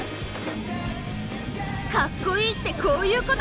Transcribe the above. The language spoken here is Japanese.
カッコいいってこういうこと！